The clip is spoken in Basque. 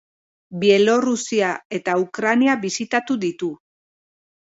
Bielorrusia eta Ukraina bisitatu ditu.